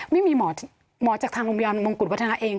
ไม่มีหมอจากทางโรงพยาบาลมงกุฎวัฒนาเอง